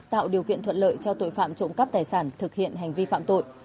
tạo điều kiện thuận lợi cho tội phạm trộm cắp tài sản thực hiện hành vi phạm tội